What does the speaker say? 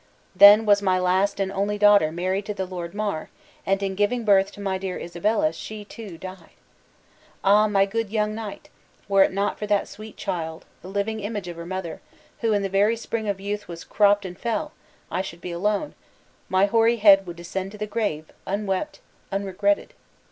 Then was my last and only daughter married to the Lord Mar; and in giving birth to my dear Isabella she, too, died. Ah, my good young knight, were it not for that sweet child, the living image of her mother, who in the very spring of youth was cropped and fell, I should be alone: my hoary head would descend to the grave, unwept, unregretted!"